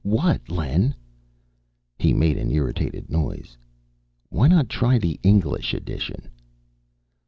What, Len?" He made an irritated noise. "Why not try the English edition?"